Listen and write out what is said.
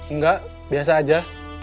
nggak biasa aja